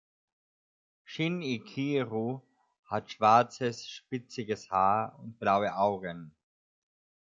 Shin-ichirou hat schwarzes, spitziges Haar und blaue Augen.